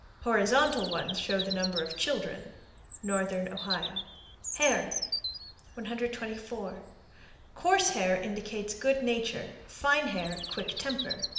Horizontal ones show the number of children. Northern Ohio. HAIR. 124. Coarse hair indicates good nature; fine hair quick temper.